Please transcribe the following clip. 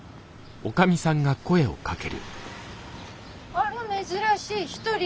あれ珍しい１人？